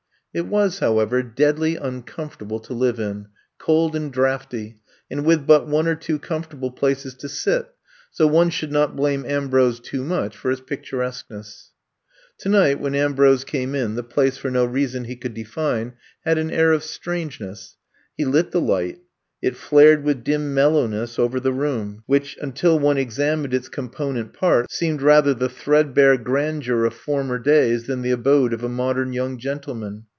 It was, however, deadly uncomfortable to live in, cold and draf ty, and with but one or two comfortable places to sit, so one should not blame Ambrose too much for its pic turesqueness. 43 44 I'VE COMB TO STAY Tonight when Ambrose came in, the place, for no reason he could define, had an air of strangeness. He lit the light, it flared with dim mellowness over the room, which, until one examined its component parts, seemed rather the threadbare grandeur of former days than the abode of a modern young gentleman.